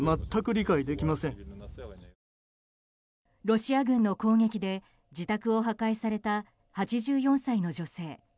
ロシア軍の攻撃で自宅を破壊された８４歳の女性。